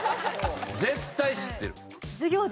絶対知ってる。